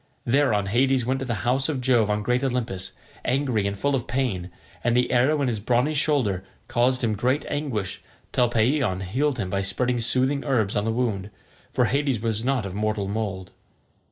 Thereon Hades went to the house of Jove on great Olympus, angry and full of pain; and the arrow in his brawny shoulder caused him great anguish till Paeeon healed him by spreading soothing herbs on the wound, for Hades was not of mortal mould.